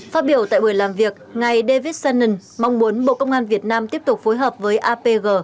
phát biểu tại buổi làm việc ngài david sonnen mong muốn bộ công an việt nam tiếp tục phối hợp với apg